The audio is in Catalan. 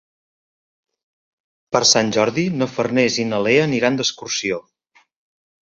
Per Sant Jordi na Farners i na Lea aniran d'excursió.